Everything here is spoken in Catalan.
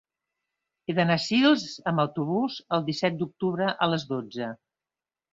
He d'anar a Sils amb autobús el disset d'octubre a les dotze.